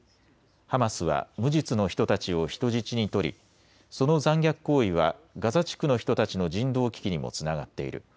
ハマスは無実の人たちを人質に取りその残虐行為はガザ地区の人たちの人道危機にもつながっている。